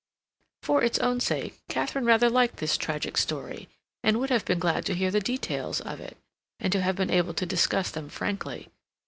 For its own sake, Katharine rather liked this tragic story, and would have been glad to hear the details of it, and to have been able to discuss them frankly.